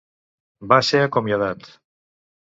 Va ser acomiadat.